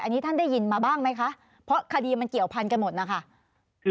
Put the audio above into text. อันนี้ท่านได้ยินมาบ้างไหมคะเพราะคดีมันเกี่ยวพันกันหมดนะคะ